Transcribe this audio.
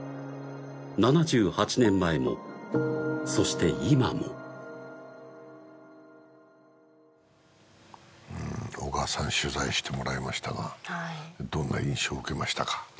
７８年前もそして今も小川さん取材してもらいましたがはいどんな印象を受けましたか？